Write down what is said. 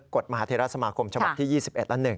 กฎมหาเทราสมาคมฉบัตรที่๒๑อันหนึ่ง